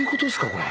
これ。